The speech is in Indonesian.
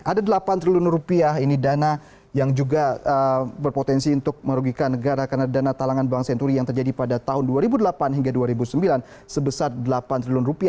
ada rp delapan triliun ini dana yang juga berpotensi untuk merugikan negara karena dana talangan bank senturi yang terjadi pada tahun dua ribu delapan hingga dua ribu sembilan sebesar rp delapan triliun